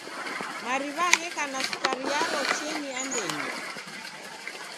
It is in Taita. Mariw'a gheka na sukari yaro cheni andenyi.